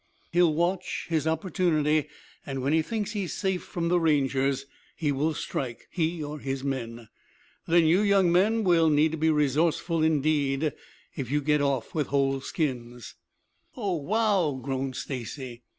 He will watch his opportunity and when he thinks he is safe from the Rangers he will strike he or his men. Then you young men will need to be resourceful, indeed, if you get off with whole skins." "Oh, wow!" groaned Stacy.